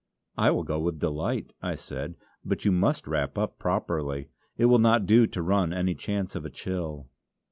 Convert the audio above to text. "I will go with delight;" I said "but you must wrap up properly. It will not do to run any chance of a chill."